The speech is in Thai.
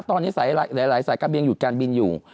ตอนนี้หลายสายการบินยังหยุดการบินอยู่